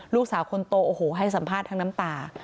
ลูกสาวคนโตโอ้โหให้สัมภาษณ์ทั้งน้ำตา